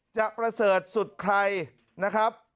ประเสริฐสุดใครนะครับ